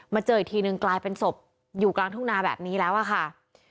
เจออีกทีนึงกลายเป็นศพอยู่กลางทุ่งนาแบบนี้แล้วอะค่ะ